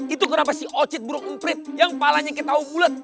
itu kenapa si ocit buruk umprit yang palanya ketahuan bulat